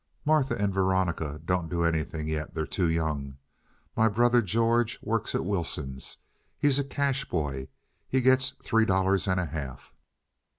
"Martha and Veronica don't do anything yet. They're too young. My brother George works at Wilson's. He's a cash boy. He gets three dollars and a half."